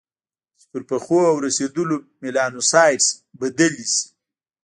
چې پر پخو او رسېدلو میلانوسایټس بدلې شي.